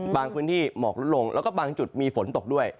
พื้นที่หมอกลดลงแล้วก็บางจุดมีฝนตกด้วย